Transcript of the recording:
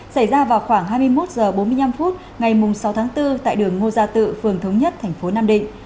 xảy ra vào khoảng hai mươi một h bốn mươi năm phút ngày sáu tháng bốn tại đường ngô gia tự phường thống nhất thành phố nam định